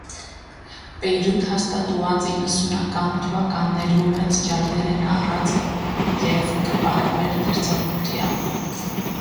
Պէյրութ հաստատուած իննսունական թուականներու մեծ ջարդերէն առած եւ կը պարապէր դերձակութեամբ։